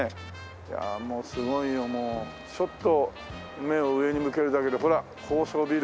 いやもうすごいよもう。ちょっと目を上に向けるだけでほら高層ビルばっかしだもんね。